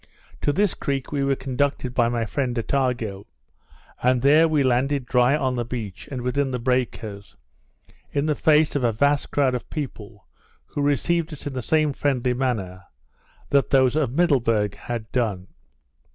To this creek we were conducted by my friend Attago; and there we landed dry on the beach, and within the breakers, in the face of a vast crowd of people, who received us in the same friendly manner that those of Middleburg had done.